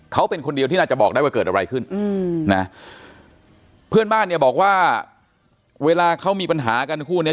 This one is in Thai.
เขาเป็นคนเดียวที่น่าจะบอกได้ว่าเกิดอะไรขึ้นอืมนะเพื่อนบ้านเนี่ยบอกว่าเวลาเขามีปัญหากันคู่เนี้ย